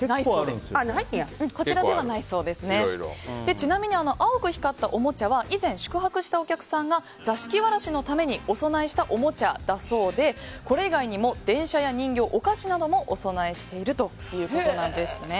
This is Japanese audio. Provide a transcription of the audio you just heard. ちなみに、青く光ったおもちゃは以前宿泊したお客さんが座敷わらしのためにお供えしたおもちゃだそうでこれ以外にも電車や人形、お菓子などもお供えしているということなんです。